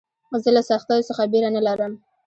زه له سختیو څخه بېره نه لرم.